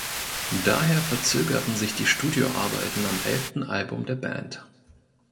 Daher verzögerten sich die Studioarbeiten am elften Album der Band.